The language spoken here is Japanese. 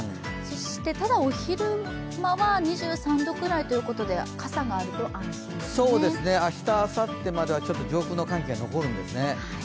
ただ昼間は２３度くらいということで明日、あさってまでは上空の寒気が残るんですね。